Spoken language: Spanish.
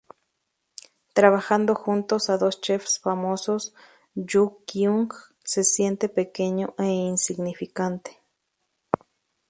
Trabajando junto a dos chefs famosos, Yoo Kyung se siente pequeño e insignificante.